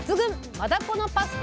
「マダコのパスタ」